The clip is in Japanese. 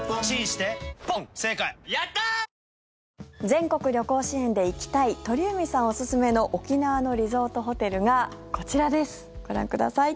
全国旅行支援で行きたい鳥海さんおすすめの沖縄のリゾートホテルがこちらです、ご覧ください。